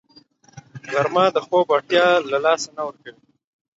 غرمه د خوب اړتیا له لاسه نه ورکوي